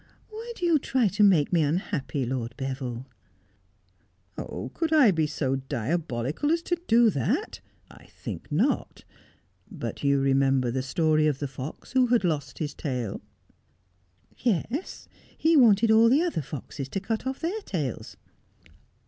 Why do you try to make me unhappy, Lord Beville 1 '' Could I be so diabolical as to do that 1 I think not. But you remember the story of the fox who had lost his tail ]'' Yes, he wanted all the other foxes to cut off their tails